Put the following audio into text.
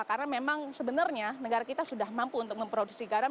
karena memang sebenarnya negara kita sudah mampu untuk memproduksi garam